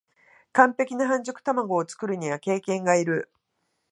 完璧な半熟たまごを作るには経験がいる